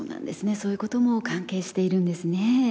そういうことも関係しているんですね。